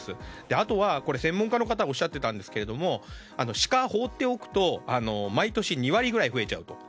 あとは、専門家の方がおっしゃっていたんですがシカは放っておくと毎年２割ぐらい増えちゃうと。